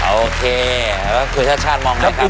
โอเคแล้วคุณชาติชาติมองไหมครับ